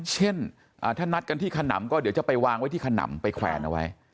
เช่นถ้านัดกันที่ขนำก็เดี๋ยวจะไปวางไว้ที่ขนำไปแขวนเอาไว้